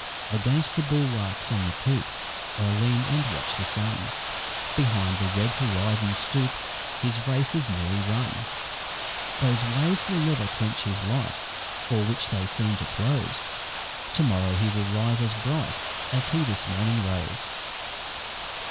Against the bulwarks on the poop I lean, and watch the sun Behind the red horizon stoop His race is nearly run. Those waves will never quench his light, O'er which they seem to close, To morrow he will rise as bright As he this morning rose.